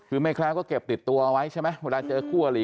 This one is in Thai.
คือไม่แค้วก็เก็บติดตัวเอาไว้ใช่ไหม